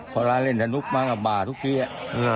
เขาเล่นสนุกมากกว่าบ่าทุกทีอ่ะ